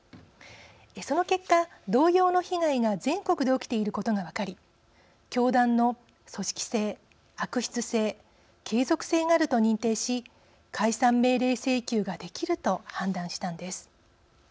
その結果同様の被害が全国で起きていることが分かり教団の組織性、悪質性、継続性があると認定し解散命令請求ができると判断したのです。